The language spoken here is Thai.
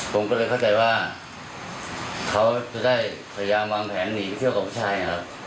ผมก็เลยเข้าใจว่าเขาจะได้พยายามวางแผนหนีไปเที่ยวกับชาย